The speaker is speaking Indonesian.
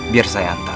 biar saya hantar